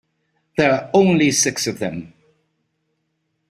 There are only six of them.